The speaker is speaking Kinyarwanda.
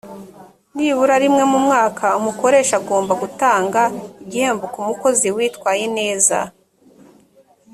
nibura rimwe mu mwaka umukoresha agomba gutanga igihembo ku mukozi witwaye neza